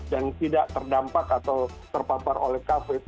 dan tidak terdampak atau terpapar oleh covid